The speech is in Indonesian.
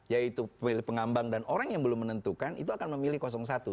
yaitu pemilih pengambang dan orang yang belum menentukan itu akan memilih satu